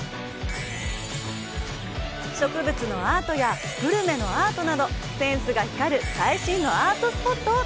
「植物のアート」や「グルメのアート」など、センスが光る最新のアートスポットを